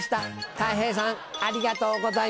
たい平さんありがとうございました」。